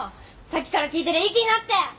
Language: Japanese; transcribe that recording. さっきから聞いてりゃいい気になって。